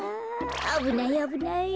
あぶないあぶない。